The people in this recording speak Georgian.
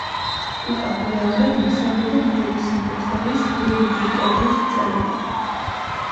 იყო მეორე, მესამე და მეექვსე მოწვევის რიიგიკოგუს წევრი.